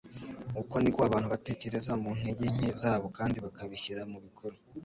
Uko niko abantu batekereza mu ntege nke zabo kandi bakabishyira mu bikorwa.